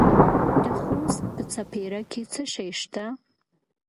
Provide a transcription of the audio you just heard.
د خوست په سپیره کې څه شی شته؟